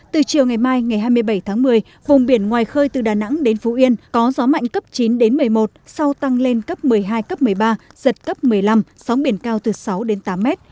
từ chiều ngày mai ngày hai mươi bảy tháng một mươi vùng biển ngoài khơi từ đà nẵng đến phú yên có gió mạnh cấp chín đến một mươi một sau tăng lên cấp một mươi hai cấp một mươi ba giật cấp một mươi năm sóng biển cao từ sáu đến tám mét